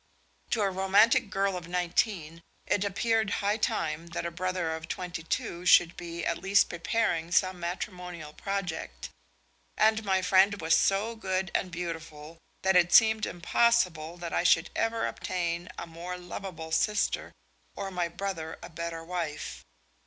To a romantic girl of nineteen it appeared high time that a brother of twenty two should be at least preparing some matrimonial project; and my friend was so good and beautiful that it seemed impossible that I should ever obtain a more lovable sister or my brother a better wife.